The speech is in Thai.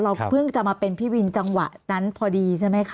เพิ่งจะมาเป็นพี่วินจังหวะนั้นพอดีใช่ไหมคะ